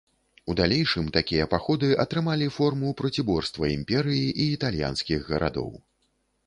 У далейшым такія паходы атрымалі форму проціборства імперыі і італьянскіх гарадоў.